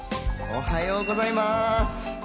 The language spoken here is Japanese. おはようございます。